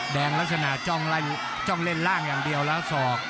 ลักษณะจ้องเล่นล่างอย่างเดียวแล้วศอก